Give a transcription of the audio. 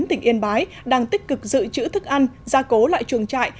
tỉnh yên bái đang tích cực giữ chữ thức ăn gia cố loại chuồng trại